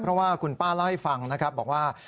เพราะว่าคุณป้าเล่าให้ฟังนะครับบอกว่า